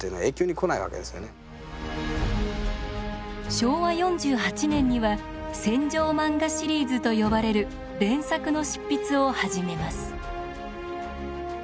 昭和４８年には「戦場まんがシリーズ」と呼ばれる連作の執筆を始めます。